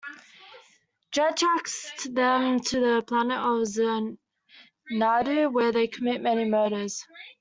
Dredd tracks them to the planet of Xanadu, where they commit many murders.